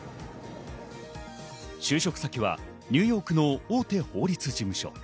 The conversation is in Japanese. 就職先はニューヨークの大手法律事務所。